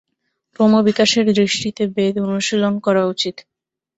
ক্রমবিকাশের দৃষ্টিতে বেদ অনুশীলন করা উচিত।